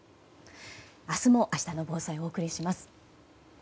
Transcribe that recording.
明日もあしたの防災をお送りします。